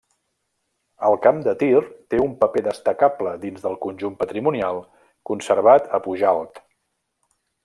El camp de tir té un paper destacable dins del conjunt patrimonial conservat a Pujalt.